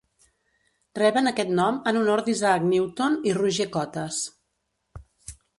Reben aquest nom en honor d'Isaac Newton i Roger Cotes.